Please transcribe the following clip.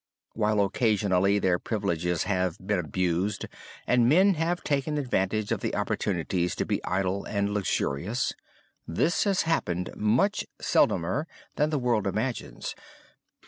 While occasionally their privileges have been abused, and men have taken advantage of the opportunities to be idle and luxurious, this has happened much seldomer than the world imagines.